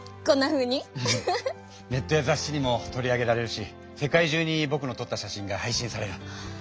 ネットやざっしにも取り上げられるし世界中にぼくのとった写真がはいしんされる。